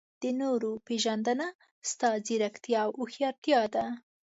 د نورو پېژندنه ستا ځیرکتیا او هوښیارتیا ده.